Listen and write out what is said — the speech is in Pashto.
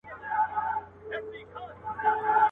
هره ورځ یې وي مرگی زموږ له زوره.